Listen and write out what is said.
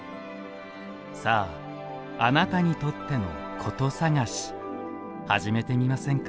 さあ、あなたにとっての古都さがしはじめてみませんか？